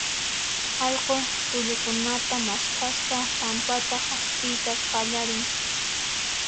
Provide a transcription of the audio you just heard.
allqu tullukunata maskhaspa pampata hasp'iyta qallarin.